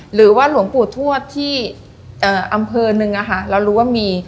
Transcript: หรือว่าหลวงปู่ทวดที่อำเภอหนึ่งเรารู้ว่ามี